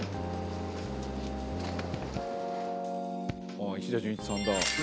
ああ石田純一さんだ。